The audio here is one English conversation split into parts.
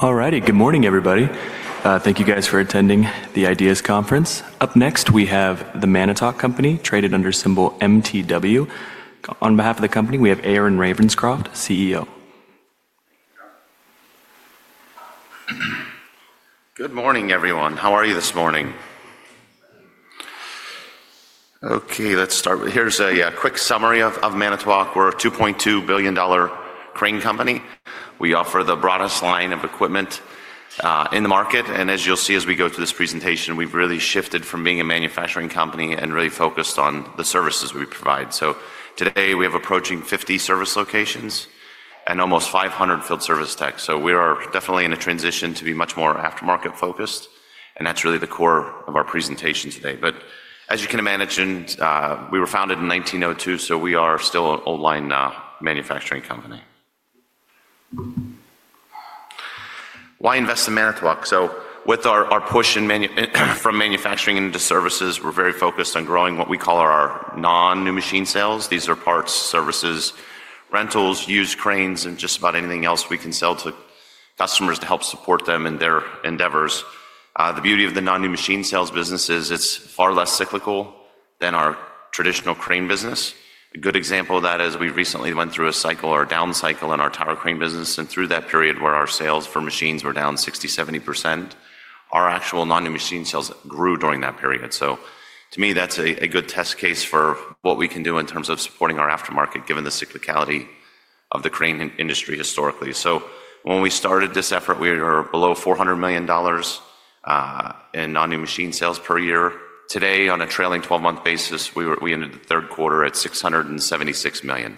Alrighty, good morning everybody. Thank you guys for attending the Ideas Conference. Up next, we have The Manitowoc Company, traded under symbol MTW. On behalf of the company, we have Aaron Ravenscroft, CEO. Good morning, everyone. How are you this morning? Okay, let's start with, here's a quick summary of Manitowoc. We're a $2.2 billion crane company. We offer the broadest line of equipment in the market. As you'll see as we go through this presentation, we've really shifted from being a manufacturing company and really focused on the services we provide. Today we have approaching 50 service locations and almost 500 field service techs. We are definitely in a transition to be much more aftermarket focused, and that's really the core of our presentation today. As you can imagine, we were founded in 1902, so we are still an old line manufacturing company. Why invest in Manitowoc? With our push from manufacturing into services, we're very focused on growing what we call our non-new machine sales. These are parts, services, rentals, used cranes, and just about anything else we can sell to customers to help support them in their endeavors. The beauty of the non-new machine sales business is it's far less cyclical than our traditional crane business. A good example of that is we recently went through a cycle, or down cycle, in our tower crane business, and through that period where our sales for machines were down 60-70%, our actual non-new machine sales grew during that period. To me, that's a good test case for what we can do in terms of supporting our aftermarket, given the cyclicality of the crane industry historically. When we started this effort, we were below $400 million in non-new machine sales per year. Today, on a trailing 12-month basis, we ended the third quarter at $676 million.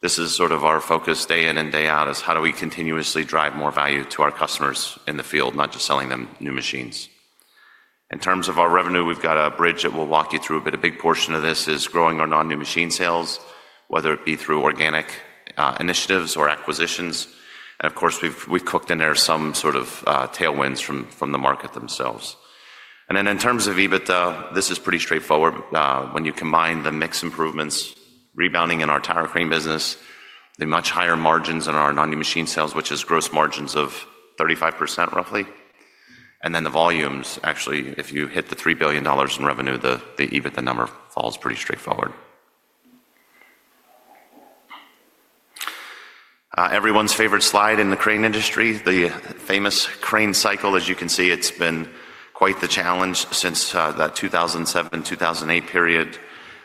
This is sort of our focus day in and day out, is how do we continuously drive more value to our customers in the field, not just selling them new machines. In terms of our revenue, we've got a bridge that we'll walk you through, but a big portion of this is growing our non-new machine sales, whether it be through organic initiatives or acquisitions. Of course, we've cooked in there some sort of tailwinds from the market themselves. In terms of EBITDA, this is pretty straightforward. When you combine the mix improvements, rebounding in our tower crane business, the much higher margins in our non-new machine sales, which is gross margins of 35% roughly, and then the volumes, actually, if you hit the $3 billion in revenue, the EBITDA number falls pretty straightforward. Everyone's favorite slide in the crane industry, the famous crane cycle. As you can see, it's been quite the challenge since that 2007, 2008 period.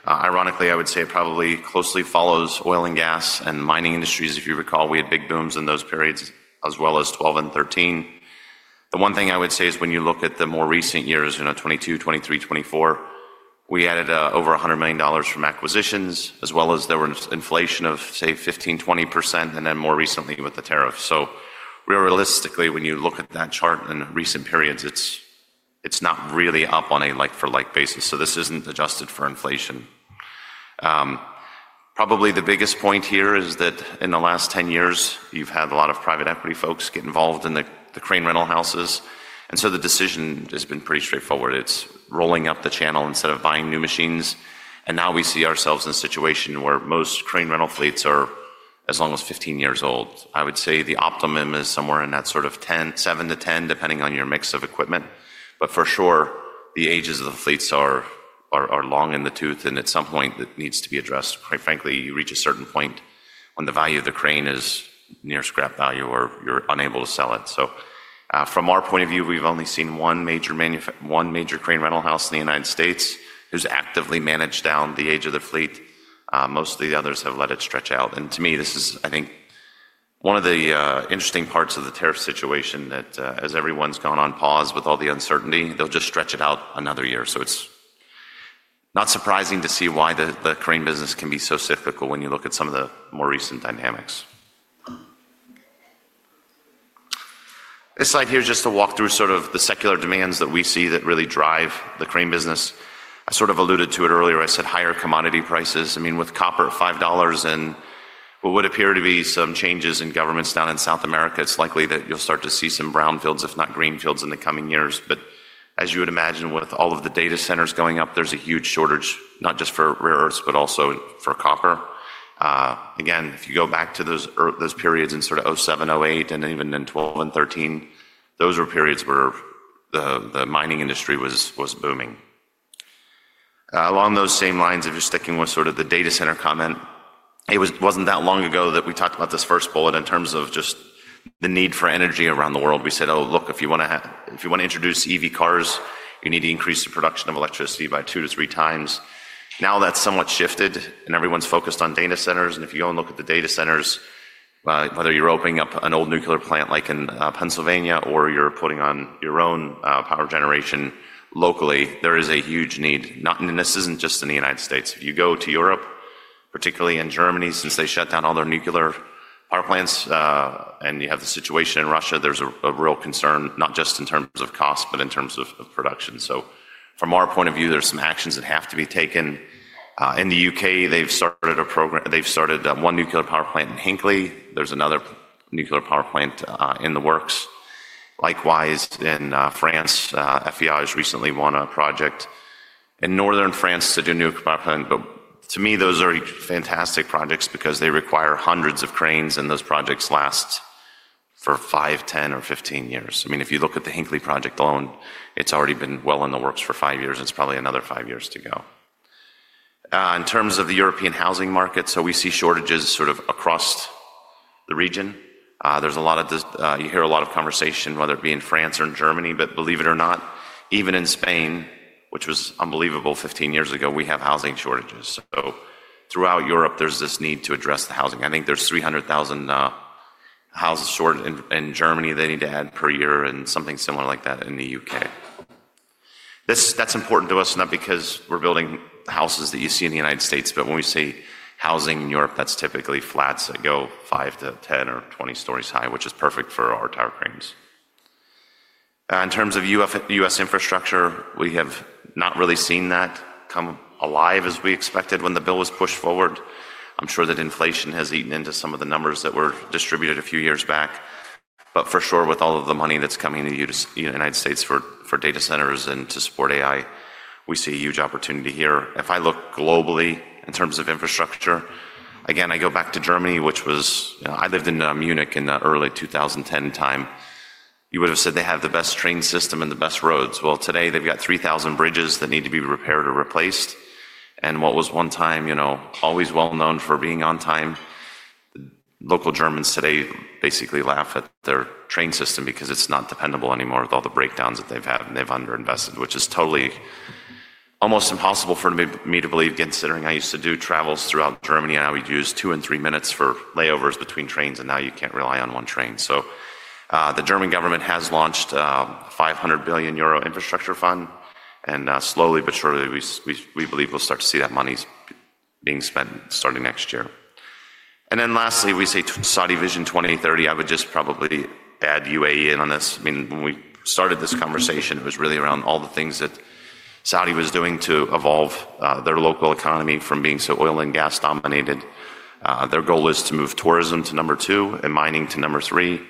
Ironically, I would say it probably closely follows oil and gas and mining industries. If you recall, we had big booms in those periods as well as 2012 and 2013. The one thing I would say is when you look at the more recent years, you know, 2022, 2023, 2024, we added over $100 million from acquisitions, as well as there was inflation of, say, 15%-20%, and then more recently with the tariffs. Realistically, when you look at that chart in recent periods, it's not really up on a like-for-like basis. This isn't adjusted for inflation. Probably the biggest point here is that in the last 10 years, you've had a lot of private equity folks get involved in the crane rental houses. The decision has been pretty straightforward. It's rolling up the channel instead of buying new machines. Now we see ourselves in a situation where most crane rental fleets are as long as 15 years old. I would say the optimum is somewhere in that sort of 7-10, depending on your mix of equipment. For sure, the ages of the fleets are long in the tooth, and at some point, it needs to be addressed. Quite frankly, you reach a certain point when the value of the crane is near scrap value or you're unable to sell it. From our point of view, we've only seen one major manufacturer, one major crane rental house in the United States who's actively managed down the age of the fleet. Most of the others have let it stretch out. To me, this is, I think, one of the interesting parts of the tariff situation that, as everyone's gone on pause with all the uncertainty, they'll just stretch it out another year. It's not surprising to see why the crane business can be so cyclical when you look at some of the more recent dynamics. This slide here is just to walk through sort of the secular demands that we see that really drive the crane business. I sort of alluded to it earlier. I said higher commodity prices. I mean, with copper at $5 and what would appear to be some changes in governments down in South America, it's likely that you'll start to see some brownfields, if not greenfields, in the coming years. As you would imagine, with all of the data centers going up, there's a huge shortage, not just for rare earths, but also for copper. Again, if you go back to those periods in sort of 2007, 2008, and even in 2012 and 2013, those were periods where the mining industry was booming. Along those same lines, if you're sticking with sort of the data center comment, it was not that long ago that we talked about this first bullet in terms of just the need for energy around the world. We said, "Oh, look, if you wanna, if you wanna introduce EV cars, you need to increase the production of electricity by two to three times." Now that's somewhat shifted, and everyone's focused on data centers. If you go and look at the data centers, whether you're opening up an old nuclear plant like in Pennsylvania or you're putting on your own power generation locally, there is a huge need. This isn't just in the United States. If you go to Europe, particularly in Germany, since they shut down all their nuclear power plants, and you have the situation in Russia, there's a real concern, not just in terms of cost, but in terms of production. From our point of view, there's some actions that have to be taken. In the U.K., they've started a program, they've started one nuclear power plant in Hinkley. There's another nuclear power plant in the works. Likewise, in France, FEI has recently won a project in northern France to do a new power plant. To me, those are fantastic projects because they require hundreds of cranes, and those projects last for 5, 10, or 15 years. I mean, if you look at the Hinkley project alone, it's already been well in the works for five years, and it's probably another five years to go. In terms of the European housing market, we see shortages sort of across the region. There's a lot of dis, you hear a lot of conversation, whether it be in France or in Germany, but believe it or not, even in Spain, which was unbelievable 15 years ago, we have housing shortages. Throughout Europe, there's this need to address the housing. I think there's 300,000 houses short in Germany they need to add per year and something similar like that in the U.K. That's important to us, not because we're building houses that you see in the United States, but when we say housing in Europe, that's typically flats that go 5 to 10 or 20 stories high, which is perfect for our tower cranes. In terms of U.S. infrastructure, we have not really seen that come alive as we expected when the bill was pushed forward. I'm sure that inflation has eaten into some of the numbers that were distributed a few years back. For sure, with all of the money that's coming to the United States for data centers and to support AI, we see a huge opportunity here. If I look globally in terms of infrastructure, again, I go back to Germany, which was, you know, I lived in Munich in the early 2010 time. You would've said they have the best train system and the best roads. Today they've got 3,000 bridges that need to be repaired or replaced. What was one time, you know, always well known for being on time, the local Germans today basically laugh at their train system because it's not dependable anymore with all the breakdowns that they've had and they've underinvested, which is totally almost impossible for me to believe, considering I used to do travels throughout Germany and I would use two and three minutes for layovers between trains, and now you can't rely on one train. The German government has launched a 500 billion euro infrastructure fund, and slowly but surely, we believe we'll start to see that money being spent starting next year. Lastly, we say Saudi Vision 2030. I would just probably add UAE in on this. I mean, when we started this conversation, it was really around all the things that Saudi was doing to evolve their local economy from being so oil and gas dominated. Their goal is to move tourism to number two and mining to number three.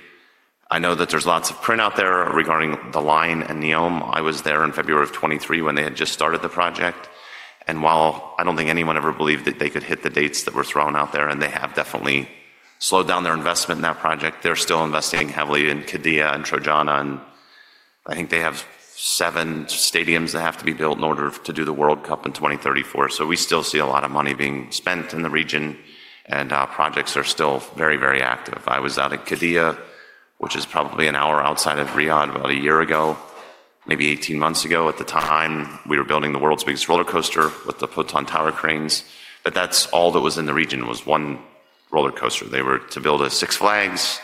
I know that there's lots of print out there regarding the line and NEOM. I was there in February of 2023 when they had just started the project. While I don't think anyone ever believed that they could hit the dates that were thrown out there, and they have definitely slowed down their investment in that project, they're still investing heavily in Qiddiya and Trojena. I think they have seven stadiums that have to be built in order to do the World Cup in 2034. We still see a lot of money being spent in the region, and projects are still very, very active. I was out in Qiddiya, which is probably an hour outside of Riyadh, about a year ago, maybe 18 months ago. At the time, we were building the world's biggest roller coaster with the tower cranes. That's all that was in the region was one roller coaster. They were to build a Six Flags.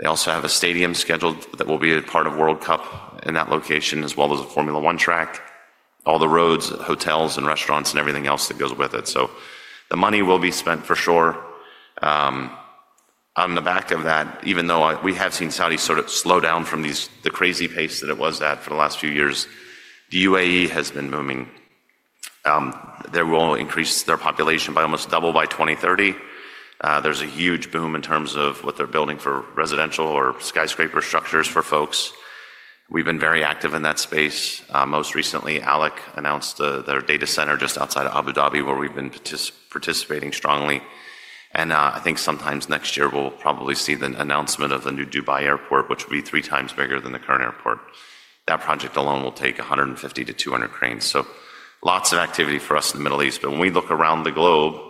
They also have a stadium scheduled that will be a part of World Cup in that location, as well as a Formula One track, all the roads, hotels, and restaurants, and everything else that goes with it. The money will be spent for sure. On the back of that, even though we have seen Saudi sort of slow down from the crazy pace that it was at for the last few years, the UAE has been booming. They will increase their population by almost double by 2030. There's a huge boom in terms of what they're building for residential or skyscraper structures for folks. We've been very active in that space. Most recently, ALEC announced their data center just outside of Abu Dhabi, where we've been participating strongly. I think sometimes next year we'll probably see the announcement of a new Dubai airport, which will be three times bigger than the current airport. That project alone will take 150-200 cranes. Lots of activity for us in the Middle East. When we look around the globe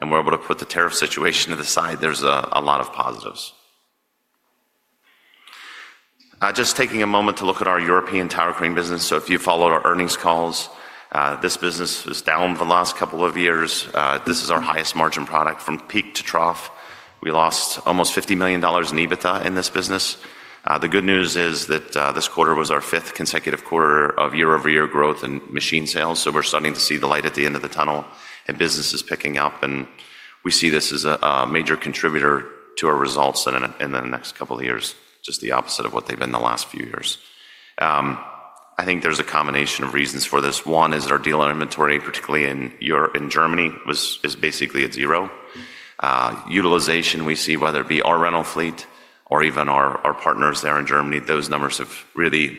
and we're able to put the tariff situation to the side, there's a lot of positives. Just taking a moment to look at our European tower crane business. If you followed our earnings calls, this business was down the last couple of years. This is our highest margin product. From peak to trough, we lost almost $50 million in EBITDA in this business. The good news is that this quarter was our fifth consecutive quarter of year-over-year growth in machine sales. We're starting to see the light at the end of the tunnel, and business is picking up. We see this as a major contributor to our results in the next couple of years, just the opposite of what they've been the last few years. I think there's a combination of reasons for this. One is our deal on inventory, particularly in Europe, in Germany, is basically at zero. Utilization we see, whether it be our rental fleet or even our partners there in Germany, those numbers have really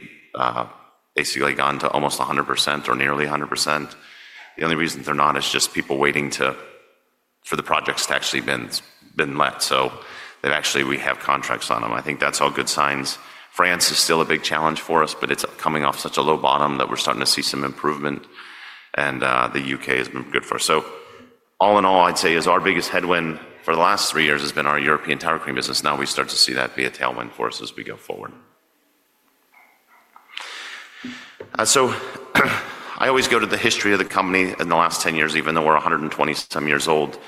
basically gone to almost 100% or nearly 100%. The only reason they're not is just people waiting for the projects to actually have been let. They've actually, we have contracts on them. I think that's all good signs. France is still a big challenge for us, but it's coming off such a low bottom that we're starting to see some improvement. The U.K. has been good for us. All in all, I'd say our biggest headwind for the last three years has been our European tower crane business. Now we start to see that be a tailwind for us as we go forward. I always go to the history of the company in the last 10 years, even though we're 120-some years old.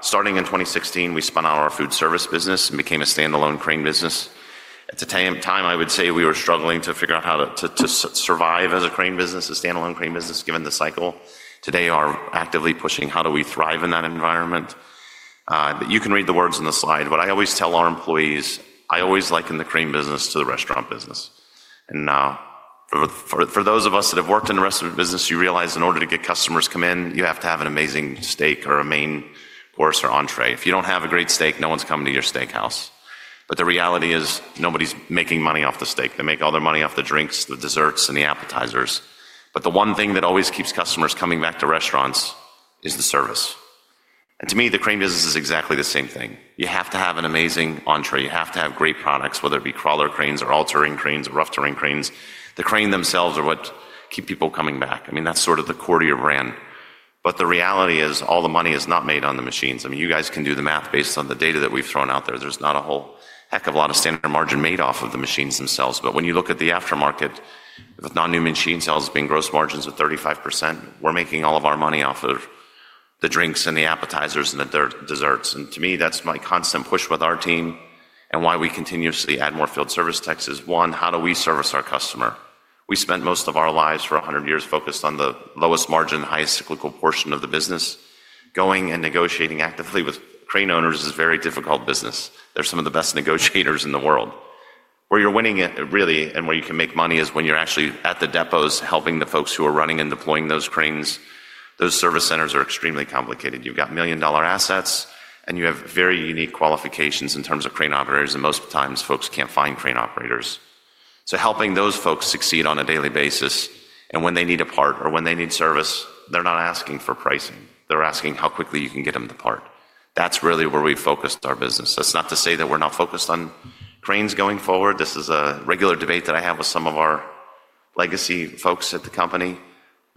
Starting in 2016, we spun out our food service business and became a standalone crane business. At the time, I would say we were struggling to figure out how to, to survive as a crane business, a standalone crane business, given the cycle. Today, we're actively pushing how do we thrive in that environment. You can read the words in the slide, but I always tell our employees, "I always liken the crane business to the restaurant business." For those of us that have worked in the restaurant business, you realize in order to get customers to come in, you have to have an amazing steak or a main course or entrée. If you do not have a great steak, no one's coming to your steakhouse. The reality is nobody's making money off the steak. They make all their money off the drinks, the desserts, and the appetizers. The one thing that always keeps customers coming back to restaurants is the service. To me, the crane business is exactly the same thing. You have to have an amazing entrée. You have to have great products, whether it be crawler cranes or all-terrain cranes or rough terrain cranes. The cranes themselves are what keep people coming back. I mean, that's sort of the core to your brand. The reality is all the money is not made on the machines. I mean, you guys can do the math based on the data that we've thrown out there. There's not a whole heck of a lot of standard margin made off of the machines themselves. When you look at the aftermarket, the non-new machine sales have been gross margins of 35%. We're making all of our money off of the drinks and the appetizers and the desserts. To me, that's my constant push with our team and why we continuously add more field service techs is, one, how do we service our customer? We spent most of our lives for 100 years focused on the lowest margin and highest cyclical portion of the business. Going and negotiating actively with crane owners is a very difficult business. They're some of the best negotiators in the world. Where you're winning it really and where you can make money is when you're actually at the depots helping the folks who are running and deploying those cranes. Those service centers are extremely complicated. You've got million-dollar assets, and you have very unique qualifications in terms of crane operators. Most times, folks can't find crane operators. Helping those folks succeed on a daily basis. When they need a part or when they need service, they're not asking for pricing. They're asking how quickly you can get them the part. That's really where we've focused our business. That's not to say that we're not focused on cranes going forward. This is a regular debate that I have with some of our legacy folks at the company.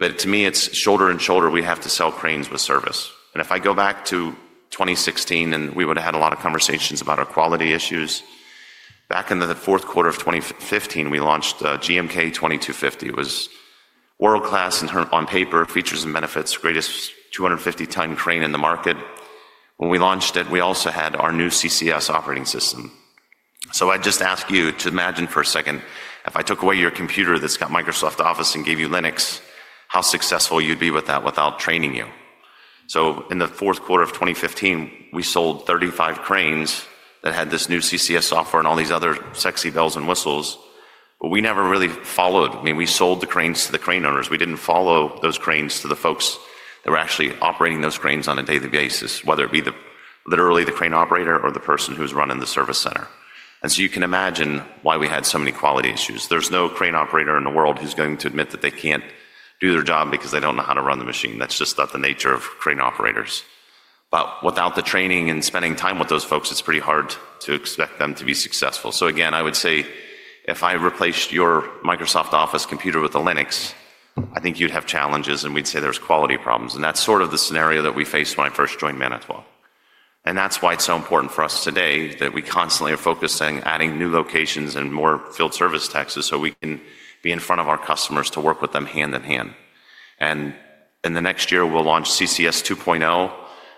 To me, it's shoulder to shoulder. We have to sell cranes with service. If I go back to 2016, we would've had a lot of conversations about our quality issues. Back in the fourth quarter of 2015, we launched the GMK 2250. It was world-class in terms on paper, features and benefits, greatest 250-ton crane in the market. When we launched it, we also had our new CCS operating system. I'd just ask you to imagine for a second, if I took away your computer that's got Microsoft Office and gave you Linux, how successful you'd be with that without training you. In the fourth quarter of 2015, we sold 35 cranes that had this new CCS software and all these other sexy bells and whistles, but we never really followed. I mean, we sold the cranes to the crane owners. We didn't follow those cranes to the folks that were actually operating those cranes on a daily basis, whether it be literally the crane operator or the person who's running the service center. You can imagine why we had so many quality issues. There's no crane operator in the world who's going to admit that they can't do their job because they don't know how to run the machine. That's just not the nature of crane operators. Without the training and spending time with those folks, it's pretty hard to expect them to be successful. I would say if I replaced your Microsoft Office computer with the Linux, I think you'd have challenges, and we'd say there's quality problems. That's sort of the scenario that we faced when I first joined Manitowoc. That is why it is so important for us today that we constantly are focusing on adding new locations and more field service techs so we can be in front of our customers to work with them hand in hand. In the next year, we will launch CCS 2.0,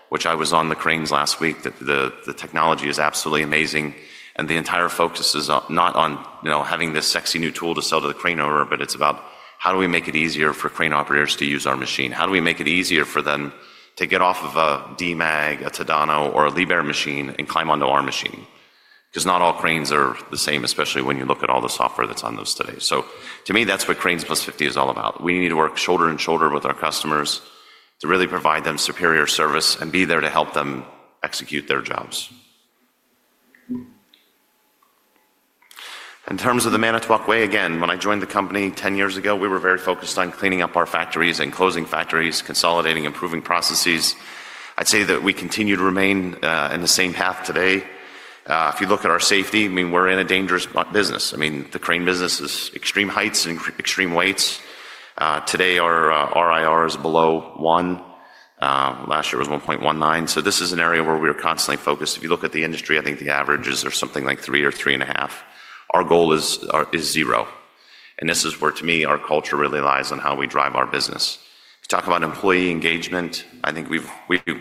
which I was on the cranes last week. The technology is absolutely amazing. The entire focus is not on, you know, having this sexy new tool to sell to the crane owner, but it is about how do we make it easier for crane operators to use our machine? How do we make it easier for them to get off of a Demag, a Tadano, or a Liebherr machine and climb onto our machine? Not all cranes are the same, especially when you look at all the software that is on those today. To me, that's what Cranes Plus 50 is all about. We need to work shoulder to shoulder with our customers to really provide them superior service and be there to help them execute their jobs. In terms of the Manitowoc way, again, when I joined the company 10 years ago, we were very focused on cleaning up our factories and closing factories, consolidating, improving processes. I'd say that we continue to remain in the same path today. If you look at our safety, I mean, we're in a dangerous business. I mean, the crane business is extreme heights and extreme weights. Today our RIR is below one. Last year it was 1.19. This is an area where we are constantly focused. If you look at the industry, I think the averages are something like three or three and a half. Our goal is zero. This is where, to me, our culture really lies on how we drive our business. If you talk about employee engagement, I think we've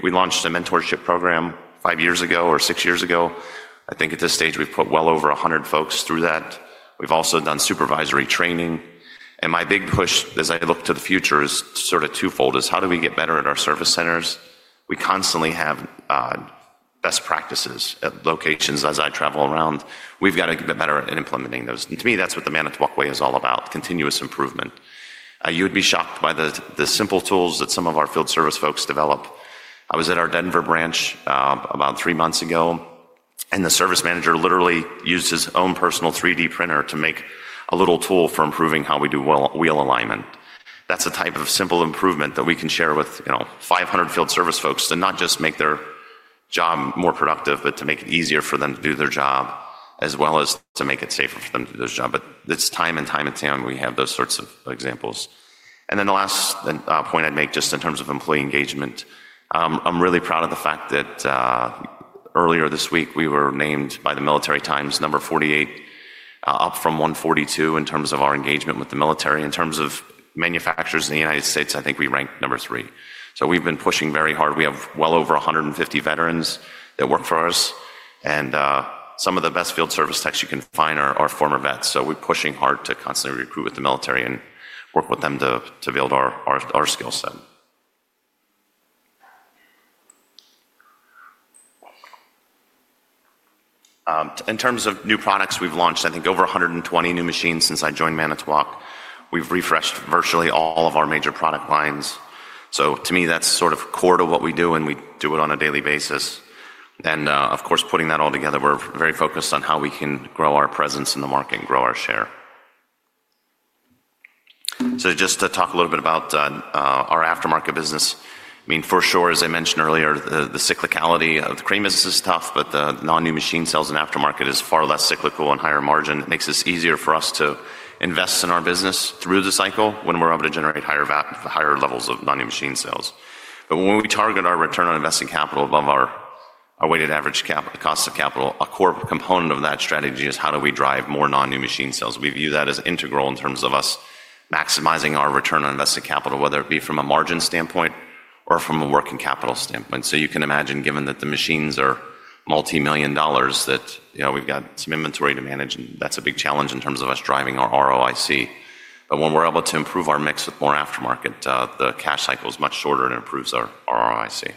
launched a mentorship program five years ago or six years ago. I think at this stage we've put well over 100 folks through that. We've also done supervisory training. My big push as I look to the future is sort of twofold: how do we get better at our service centers? We constantly have best practices at locations as I travel around. We've got to get better at implementing those. To me, that's what the Manitowoc Way is all about: continuous improvement. You would be shocked by the simple tools that some of our field service folks develop. I was at our Denver branch about three months ago, and the service manager literally used his own personal 3D printer to make a little tool for improving how we do wheel alignment. That's a type of simple improvement that we can share with, you know, 500 field service folks to not just make their job more productive, but to make it easier for them to do their job, as well as to make it safer for them to do their job. Time and time and time we have those sorts of examples. The last point I'd make just in terms of employee engagement, I'm really proud of the fact that earlier this week we were named by the Military Times number 48, up from 142 in terms of our engagement with the military. In terms of manufacturers in the U.S., I think we ranked number three. We've been pushing very hard. We have well over 150 veterans that work for us. Some of the best field service techs you can find are our former vets. We're pushing hard to constantly recruit with the military and work with them to build our skill set. In terms of new products we've launched, I think over 120 new machines since I joined Manitowoc. We've refreshed virtually all of our major product lines. To me, that's sort of core to what we do, and we do it on a daily basis. Of course, putting that all together, we're very focused on how we can grow our presence in the market and grow our share. Just to talk a little bit about our aftermarket business. I mean, for sure, as I mentioned earlier, the cyclicality of the crane business is tough, but the non-new machine sales and aftermarket is far less cyclical and higher margin. It makes it easier for us to invest in our business through the cycle when we're able to generate higher, higher levels of non-new machine sales. When we target our return on invested capital above our weighted average cost of capital, a core component of that strategy is how do we drive more non-new machine sales. We view that as integral in terms of us maximizing our return on invested capital, whether it be from a margin standpoint or from a working capital standpoint. You can imagine, given that the machines are multi-million dollars, that, you know, we've got some inventory to manage. That's a big challenge in terms of us driving our ROIC. When we're able to improve our mix with more aftermarket, the cash cycle is much shorter and improves our ROIC.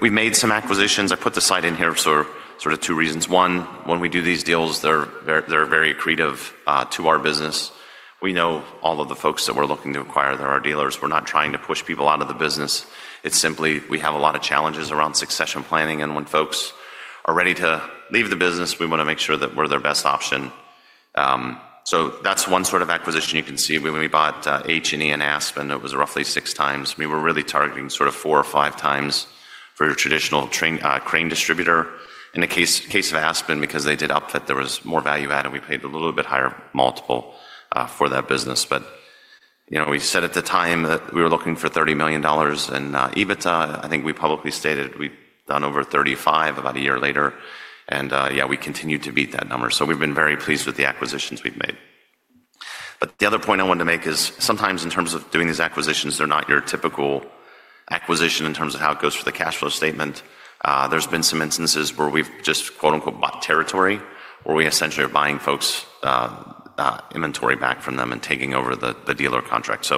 We've made some acquisitions. I put the site in here for sort of two reasons. One, when we do these deals, they're very creative to our business. We know all of the folks that we're looking to acquire. They're our dealers. We're not trying to push people out of the business. It's simply we have a lot of challenges around succession planning. When folks are ready to leave the business, we want to make sure that we're their best option. That's one sort of acquisition you can see. When we bought H&E and Aspen, it was roughly six times. We were really targeting sort of four or five times for a traditional crane distributor. In the case, case of Aspen, because they did upfit, there was more value add, and we paid a little bit higher multiple, for that business. You know, we said at the time that we were looking for $30 million in EBITDA. I think we publicly stated we'd done over $35 million about a year later. Yeah, we continue to beat that number. We have been very pleased with the acquisitions we've made. The other point I wanted to make is sometimes in terms of doing these acquisitions, they're not your typical acquisition in terms of how it goes for the cash flow statement. There have been some instances where we've just "bought territory," where we essentially are buying folks, inventory back from them and taking over the dealer contract.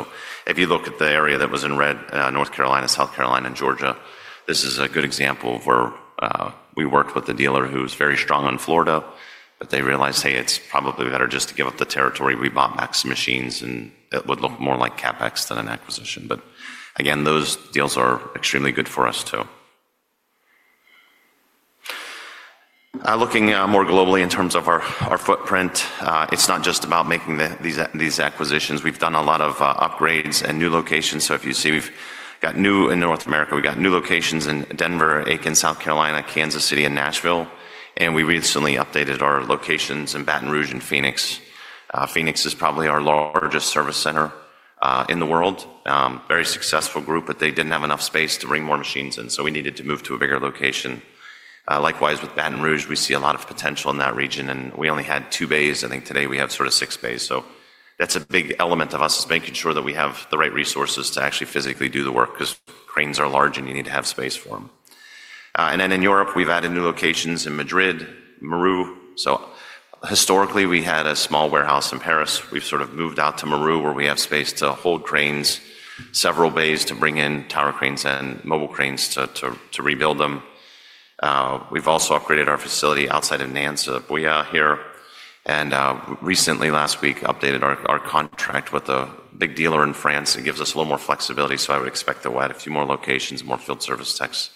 If you look at the area that was in red, North Carolina, South Carolina, and Georgia, this is a good example of where we worked with a dealer who's very strong in Florida, but they realized, "Hey, it's probably better just to give up the territory." We bought back some machines, and it would look more like CapEx than an acquisition. Again, those deals are extremely good for us too. Looking more globally in terms of our footprint, it's not just about making these acquisitions. We've done a lot of upgrades and new locations. If you see, we've got new in North America. We got new locations in Denver, Aiken, South Carolina, Kansas City, and Nashville. We recently updated our locations in Baton Rouge and Phoenix. Phoenix is probably our largest service center in the world. Very successful group, but they didn't have enough space to bring more machines in. We needed to move to a bigger location. Likewise with Baton Rouge, we see a lot of potential in that region. We only had two bays. I think today we have six bays. That's a big element of us, making sure that we have the right resources to actually physically do the work because cranes are large and you need to have space for them. In Europe, we've added new locations in Madrid, Marne. Historically, we had a small warehouse in Paris. We've moved out to Marne where we have space to hold cranes, several bays to bring in tower cranes and mobile cranes to rebuild them. We've also upgraded our facility outside of Nantes, Bouygues here. Recently, last week, updated our contract with a big dealer in France. It gives us a little more flexibility. I would expect to add a few more locations, more field service techs,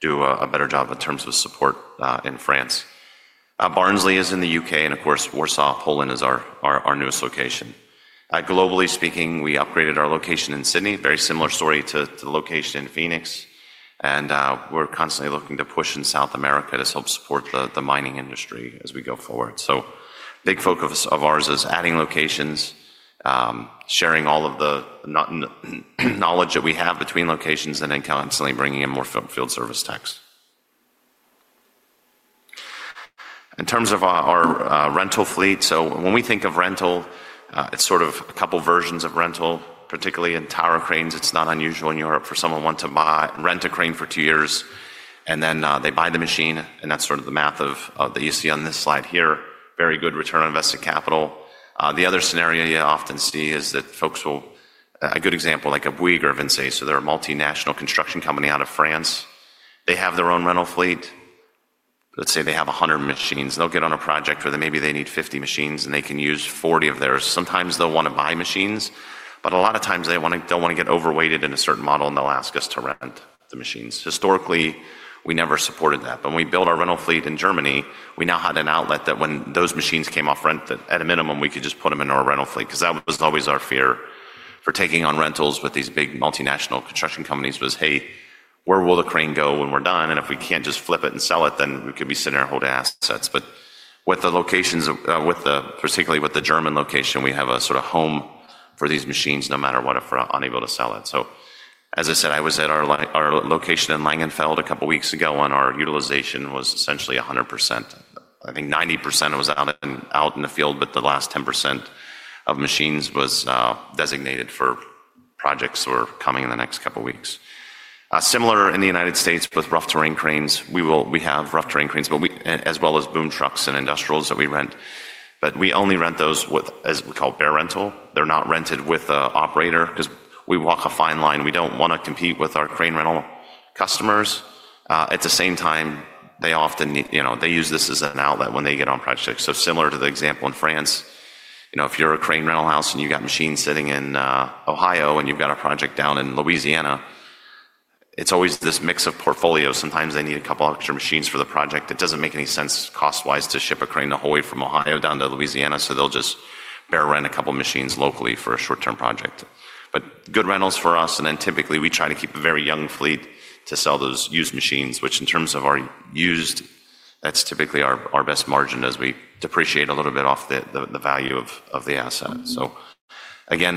do a better job in terms of support in France. Barnsley is in the U.K. Of course, Warsaw, Poland is our newest location. Globally speaking, we upgraded our location in Sydney. Very similar story to the location in Phoenix. We are constantly looking to push in South America to help support the mining industry as we go forward. A big focus of ours is adding locations, sharing all of the knowledge that we have between locations and then constantly bringing in more field service techs. In terms of our rental fleet, when we think of rental, it is sort of a couple versions of rental, particularly in tower cranes. It's not unusual in Europe for someone to want to buy, rent a crane for two years, and then they buy the machine. That's sort of the math of that you see on this slide here. Very good return on invested capital. The other scenario you often see is that folks will, a good example, like a Bouygues Urban Space. They're a multinational construction company out of France. They have their own rental fleet. Let's say they have 100 machines. They'll get on a project where maybe they need 50 machines, and they can use 40 of theirs. Sometimes they'll want to buy machines, but a lot of times they don't want to get overweighted in a certain model, and they'll ask us to rent the machines. Historically, we never supported that. When we built our rental fleet in Germany, we now had an outlet that when those machines came off rent, at a minimum, we could just put them into our rental fleet. That was always our fear for taking on rentals with these big multinational construction companies: "Hey, where will the crane go when we're done?" If we can't just flip it and sell it, then we could be sitting there holding assets. With the locations, particularly with the German location, we have a sort of home for these machines no matter what if we're unable to sell it. As I said, I was at our location in Langenfeld a couple weeks ago when our utilization was essentially 100%. I think 90% was out in, out in the field, but the last 10% of machines was designated for projects that were coming in the next couple weeks. Similar in the United States with rough terrain cranes. We will, we have rough terrain cranes, but we, as well as boom trucks and industrials that we rent. But we only rent those with, as we call, bare rental. They're not rented with an operator because we walk a fine line. We don't want to compete with our crane rental customers. At the same time, they often need, you know, they use this as an outlet when they get on projects. Similar to the example in France, you know, if you're a crane rental house and you've got machines sitting in Ohio and you've got a project down in Louisiana, it's always this mix of portfolios. Sometimes they need a couple extra machines for the project. It doesn't make any sense cost-wise to ship a crane all the way from Ohio down to Louisiana. They'll just bare rent a couple machines locally for a short-term project. Good rentals for us. Typically we try to keep a very young fleet to sell those used machines, which in terms of our used, that's typically our best margin as we depreciate a little bit off the value of the asset. Again,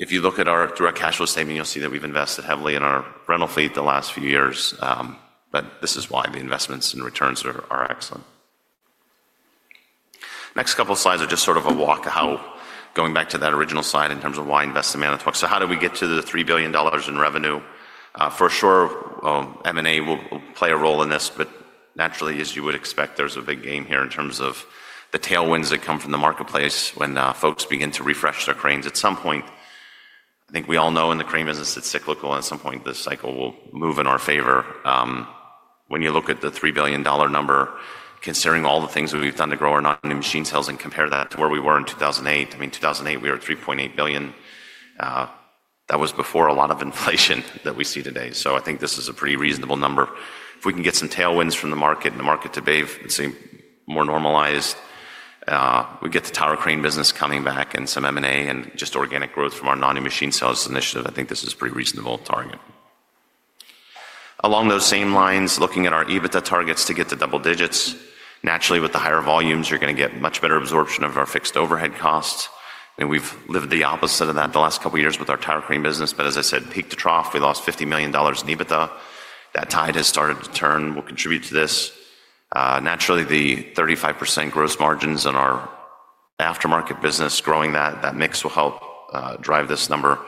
if you look at our direct cash flow statement, you'll see that we've invested heavily in our rental fleet the last few years. This is why the investments and returns are excellent. Next couple slides are just sort of a walk how, going back to that original slide in terms of why invest in Manitowoc. So how did we get to the $3 billion in revenue? For sure, M&A will play a role in this. But naturally, as you would expect, there's a big game here in terms of the tailwinds that come from the marketplace when, folks begin to refresh their cranes. At some point, I think we all know in the crane business it's cyclical, and at some point the cycle will move in our favor. When you look at the $3 billion number, considering all the things that we've done to grow our non-new machine sales and compare that to where we were in 2008, I mean, 2008 we were $3.8 billion. That was before a lot of inflation that we see today. I think this is a pretty reasonable number. If we can get some tailwinds from the market and the market to behave and seem more normalized, we get the tower crane business coming back and some M&A and just organic growth from our non-new machine sales initiative, I think this is a pretty reasonable target. Along those same lines, looking at our EBITDA targets to get to double digits, naturally with the higher volumes, you're going to get much better absorption of our fixed overhead costs. We've lived the opposite of that the last couple years with our tower crane business. As I said, peak to trough, we lost $50 million in EBITDA. That tide has started to turn. We'll contribute to this. Naturally, the 35% gross margins in our aftermarket business, growing that, that mix will help, drive this number.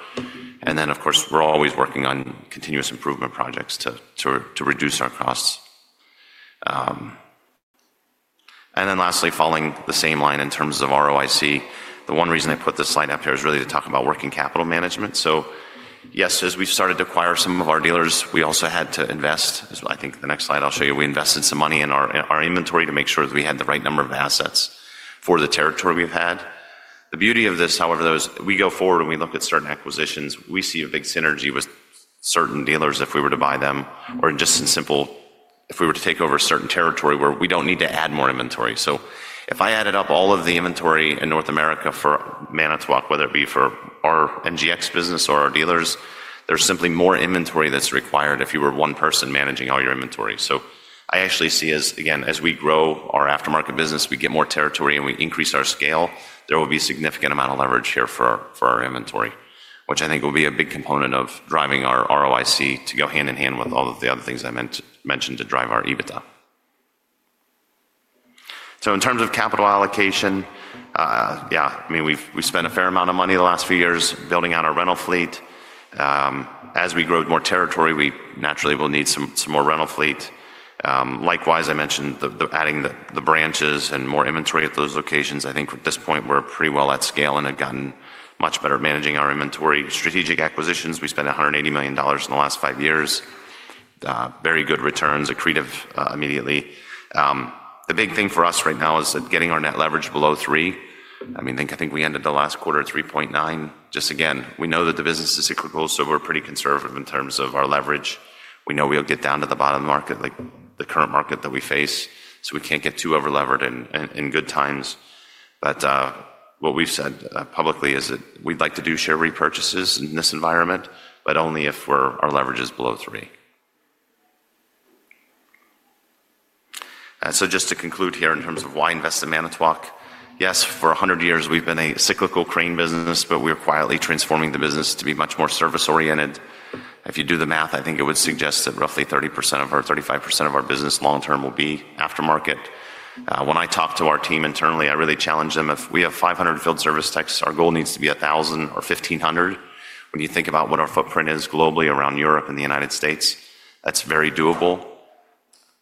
Of course, we're always working on continuous improvement projects to reduce our costs. Lastly, following the same line in terms of ROIC, the one reason I put this slide up here is really to talk about working capital management. Yes, as we've started to acquire some of our dealers, we also had to invest. I think the next slide I'll show you, we invested some money in our inventory to make sure that we had the right number of assets for the territory we've had. The beauty of this, however, as we go forward and we look at certain acquisitions, we see a big synergy with certain dealers if we were to buy them or just in simple, if we were to take over certain territory where we don't need to add more inventory. If I added up all of the inventory in North America for Manitowoc, whether it be for our NGX business or our dealers, there's simply more inventory that's required if you were one person managing all your inventory. I actually see as, again, as we grow our aftermarket business, we get more territory and we increase our scale, there will be a significant amount of leverage here for our inventory, which I think will be a big component of driving our ROIC to go hand in hand with all of the other things I mentioned to drive our EBITDA. In terms of capital allocation, yeah, I mean, we've spent a fair amount of money the last few years building out our rental fleet. As we grow more territory, we naturally will need some more rental fleet. Likewise, I mentioned the adding the branches and more inventory at those locations. I think at this point we're pretty well at scale and have gotten much better at managing our inventory. Strategic acquisitions, we spent $180 million in the last five years. Very good returns, accretive, immediately. The big thing for us right now is getting our net leverage below three. I mean, I think we ended the last quarter at 3.9. Just again, we know that the business is cyclical, so we're pretty conservative in terms of our leverage. We know we'll get down to the bottom of the market, like the current market that we face. We can't get too overlevered in good times. What we've said publicly is that we'd like to do share repurchases in this environment, but only if our leverage is below three. Just to conclude here in terms of why invest in Manitowoc, yes, for 100 years we've been a cyclical crane business, but we are quietly transforming the business to be much more service-oriented. If you do the math, I think it would suggest that roughly 30% of our, 35% of our business long-term will be aftermarket. When I talk to our team internally, I really challenge them. If we have 500 field service techs, our goal needs to be 1,000 or 1,500. When you think about what our footprint is globally around Europe and the United States, that's very doable.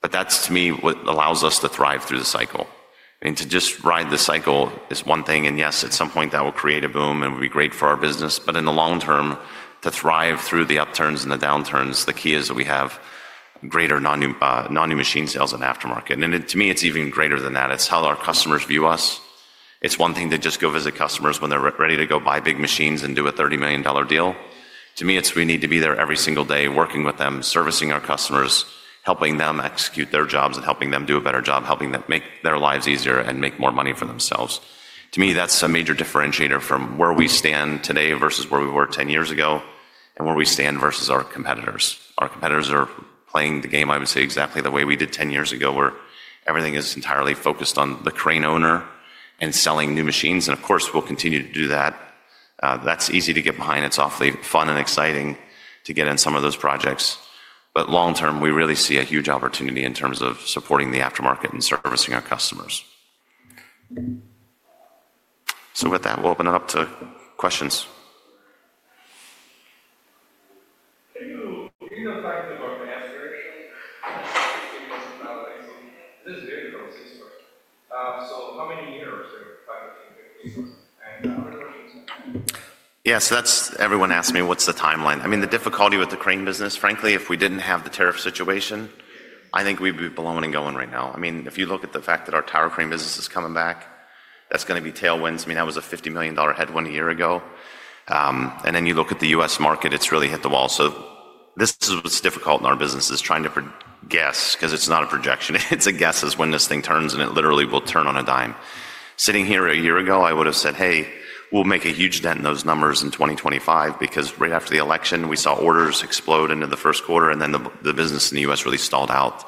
That, to me, is what allows us to thrive through the cycle. I mean, to just ride the cycle is one thing. Yes, at some point that will create a boom and will be great for our business. In the long term, to thrive through the upturns and the downturns, the key is that we have greater non-new, non-new machine sales in aftermarket. To me, it's even greater than that. It's how our customers view us. It's one thing to just go visit customers when they're ready to go buy big machines and do a $30 million deal. To me, it's we need to be there every single day working with them, servicing our customers, helping them execute their jobs and helping them do a better job, helping them make their lives easier and make more money for themselves. To me, that's a major differentiator from where we stand today versus where we were 10 years ago and where we stand versus our competitors. Our competitors are playing the game, I would say, exactly the way we did 10 years ago, where everything is entirely focused on the crane owner and selling new machines. Of course, we'll continue to do that. That's easy to get behind. It's awfully fun and exciting to get in some of those projects. Long term, we really see a huge opportunity in terms of supporting the aftermarket and servicing our customers. With that, we'll open it up to questions. Yeah, so that's everyone asked me, what's the timeline? I mean, the difficulty with the crane business, frankly, if we didn't have the tariff situation, I think we'd be blown and going right now. I mean, if you look at the fact that our tower crane business is coming back, that's going to be tailwinds. That was a $50 million headwind a year ago. Then you look at the U.S. market, it's really hit the wall. This is what's difficult in our business, is trying to guess because it's not a projection. It's a guess as to when this thing turns, and it literally will turn on a dime. Sitting here a year ago, I would have said, "Hey, we'll make a huge dent in those numbers in 2025," because right after the election, we saw orders explode into the first quarter. The business in the U.S. really stalled out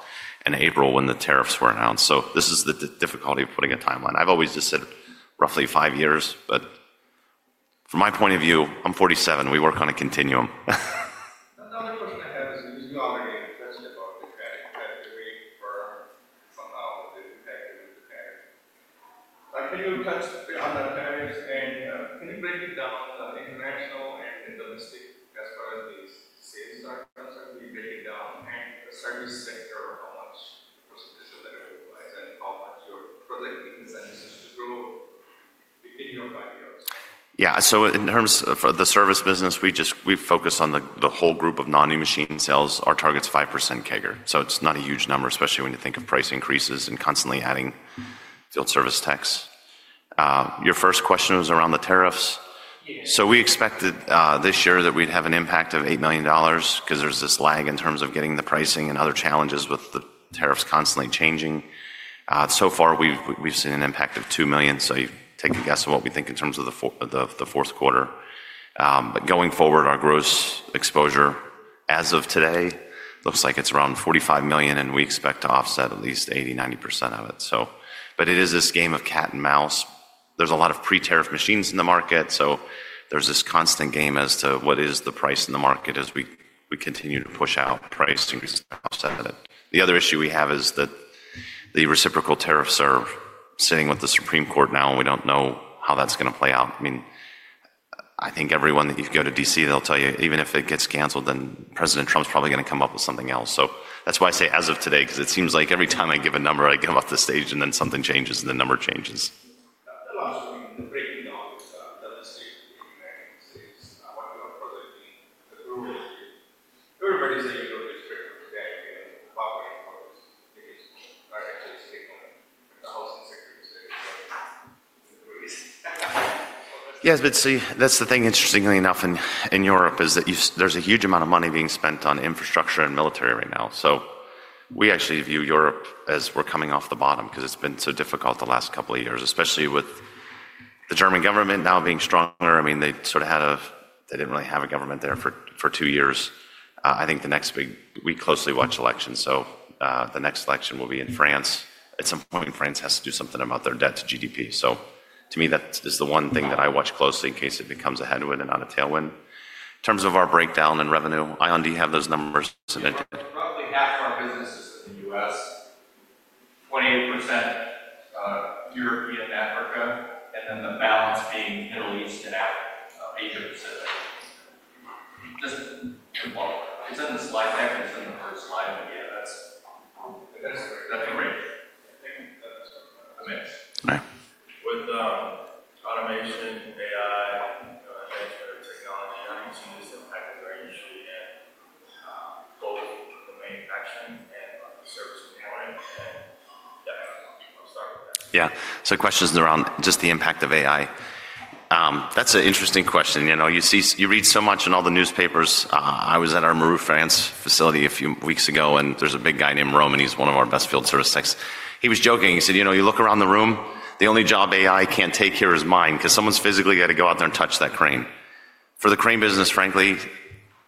in April when the tariffs were announced. This is the difficulty of putting a timeline. I've always just said roughly five years, but from my point of view, I'm 47. We work on a continuum. Another question I have is, you already touched about the credit rate for somehow the impact of the tariff. Can you touch on the tariffs and can you break it down, international and domestic as far as the sales are concerned? Can you break it down and the service sector, how much percentage of that it was and how much you're projecting the sentences to grow in your five years? Yeah. In terms of the service business, we just, we focus on the whole group of non-new machine sales. Our target's 5% CAGR. It's not a huge number, especially when you think of price increases and constantly adding field service techs. Your first question was around the tariffs. Yeah. We expected this year that we'd have an impact of $8 million because there's this lag in terms of getting the pricing and other challenges with the tariffs constantly changing. So far we've seen an impact of $2 million. You take a guess of what we think in terms of the fourth quarter. Going forward, our gross exposure as of today looks like it's around $45 million, and we expect to offset at least 80%-90% of it. It is this game of cat and mouse. There are a lot of pre-tariff machines in the market. There is this constant game as to what is the price in the market as we continue to push out price to offset it. The other issue we have is that the reciprocal tariffs are sitting with the Supreme Court now, and we do not know how that is going to play out. I mean, I think everyone that you go to D.C., they will tell you, even if it gets canceled, then President Trump is probably going to come up with something else. That is why I say as of today, because it seems like every time I give a number, I get off the stage and then something changes and the number changes. The last one, the breaking down of the domestic in the United States, what you are projecting, the growth, everybody's saying it's critical to the IPM, but what is the biggest or actually stable? The housing sector is very important. Yes, but see, that is the thing, interestingly enough, in Europe is that there is a huge amount of money being spent on infrastructure and military right now. We actually view Europe as we are coming off the bottom because it has been so difficult the last couple of years, especially with the German government now being stronger. I mean, they sort of had a, they did not really have a government there for two years. I think the next big, we closely watch elections. The next election will be in France. At some point, France has to do something about their debt to GDP. To me, that is the one thing that I watch closely in case it becomes a headwind and not a tailwind. In terms of our breakdown and revenue, I have those numbers and it did. Roughly half our business is in the U.S., 28% European, Africa, and then the balance being Middle East and Africa, Asia Pacific. It's in the slide deck and it's in the first slide, but yeah, that's great. That's a great thing. I think that's a mix. Right. With automation, AI, and technology, how do you see this impacting our industry and both the manufacturing and the service component? I'll start with that. Yeah. Questions around just the impact of AI. That's an interesting question. You know, you see, you read so much in all the newspapers. I was at our Marne, France facility a few weeks ago, and there's a big guy named Roman. He's one of our best field service techs. He was joking. He said, you know, you look around the room, the only job AI can't take here is mine, because someone's physically got to go out there and touch that crane. For the crane business, frankly,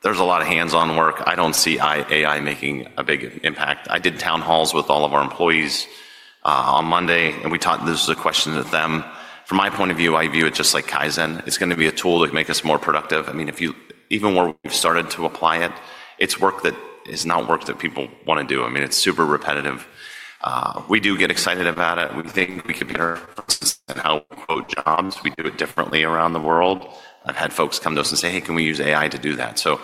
there's a lot of hands-on work. I don't see AI making a big impact. I did town halls with all of our employees on Monday, and we taught, this was a question of them. From my point of view, I view it just like Kaizen. It's going to be a tool to make us more productive. I mean, if you, even where we've started to apply it, it's work that is not work that people want to do. I mean, it's super repetitive. We do get excited about it. We think we could be our first how, quote, jobs. We do it differently around the world. I've had folks come to us and say, "Hey, can we use AI to do that?" To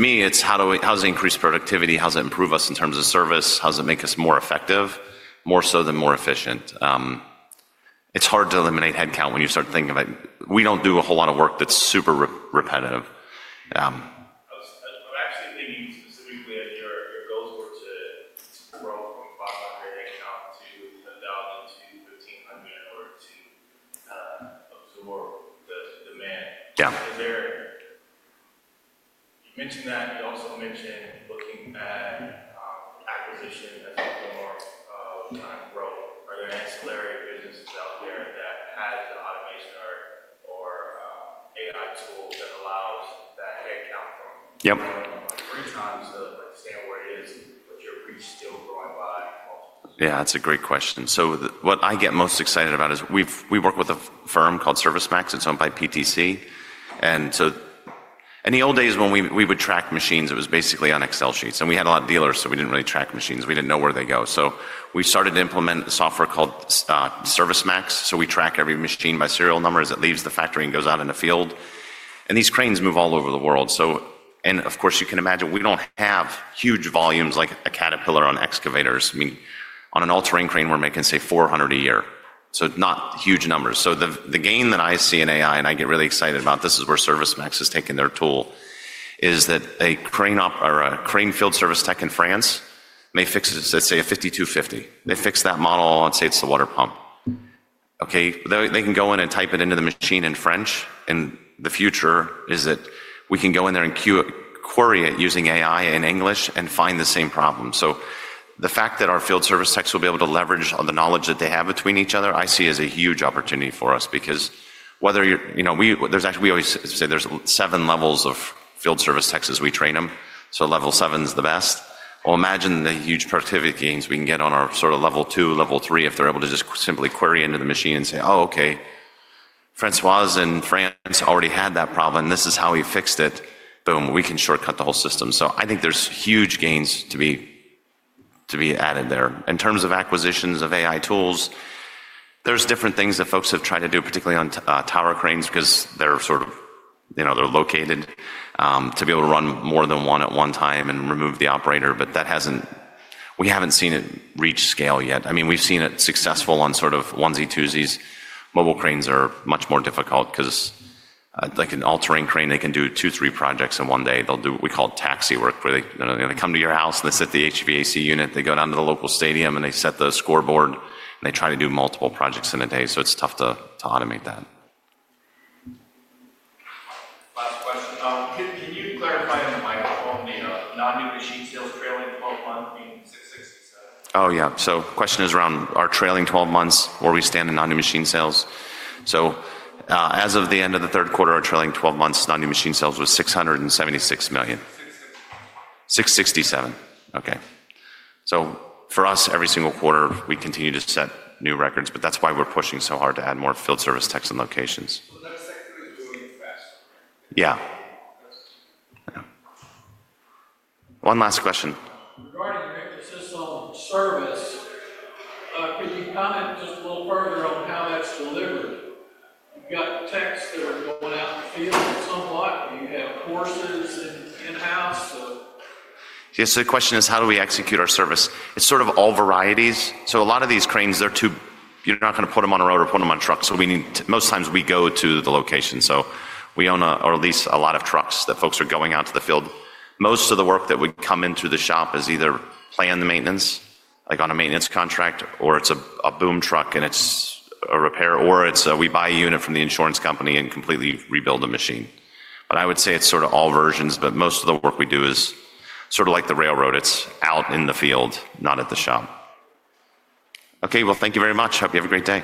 me, it's how do we, how does it increase productivity? How does it improve us in terms of service? How does it make us more effective, more so than more efficient? It's hard to eliminate headcount when you start thinking about it. We don't do a whole lot of work that's super repetitive I'm actually thinking specifically that your goals were to grow from 500 headcount to 1,000 to 1,500 in order to absorb the demand. Yeah. Is there, you mentioned that you also mentioned looking at acquisition as a form of, kind of growth. Are there ancillary businesses out there that have the automation or, or, AI tools that allow that headcount from? Yep. Three times to, like, say where it is, but you're still growing by. Yeah, that's a great question. What I get most excited about is we've, we work with a firm called ServiceMax. It's owned by PTC. In the old days when we would track machines, it was basically on Excel sheets. We had a lot of dealers, so we didn't really track machines. We didn't know where they go. We started to implement software called ServiceMax. We track every machine by serial number as it leaves the factory and goes out in the field. These cranes move all over the world. You can imagine we don't have huge volumes like a Caterpillar on excavators. I mean, on an all-terrain crane, we're making, say, 400 a year. Not huge numbers. The gain that I see in AI, and I get really excited about, this is where ServiceMax has taken their tool, is that a crane or a crane field service tech in France may fix it, let's say a 5250. They fix that model and say it's the water pump. They can go in and type it into the machine in French. The future is that we can go in there and query it using AI in English and find the same problem. The fact that our field service techs will be able to leverage the knowledge that they have between each other, I see as a huge opportunity for us because whether you're, you know, we, there's actually, we always say there's seven levels of field service techs as we train them. Level seven is the best. Imagine the huge productivity gains we can get on our sort of level two, level three, if they're able to just simply query into the machine and say, "Oh, okay, Francois in France already had that problem. This is how he fixed it." Boom, we can shortcut the whole system. I think there's huge gains to be added there. In terms of acquisitions of AI tools, there's different things that folks have tried to do, particularly on tower cranes, because they're sort of, you know, they're located, to be able to run more than one at one time and remove the operator. That hasn't, we haven't seen it reach scale yet. I mean, we've seen it successful on sort of onesie, twosies. Mobile cranes are much more difficult because, like an all-terrain crane, they can do two, three projects in one day. They'll do what we call taxi work, where they come to your house and they sit at the HVAC unit. They go down to the local stadium and they set the scoreboard and they try to do multiple projects in a day. It's tough to automate that. Last question. Can you clarify on the microphone the non-new machine sales trailing 12 months being $667 million? Oh yeah. The question is around our trailing 12 months, where we stand in non-new machine sales. As of the end of the third quarter, our trailing 12 months non-new machine sales was $676 million. 667. For us, every single quarter, we continue to set new records, but that's why we're pushing so hard to add more field service techs and locations. The next sector is growing fast. Yeah.One last question. Regarding the assistance service, could you comment just a little further on how that's delivered? You've got techs that are going out in the field somewhat. Do you have courses in-house? Yes, the question is how do we execute our service? It's sort of all varieties. A lot of these cranes, they're too, you're not going to put them on a road or put them on trucks. We need, most times we go to the location. We own or at least a lot of trucks that folks are going out to the field. Most of the work that would come into the shop is either planned maintenance, like on a maintenance contract, or it's a boom truck and it's a repair, or we buy a unit from the insurance company and completely rebuild the machine. I would say it's sort of all versions, but most of the work we do is sort of like the railroad. It's out in the field, not at the shop. Okay, thank you very much. Hope you have a great day.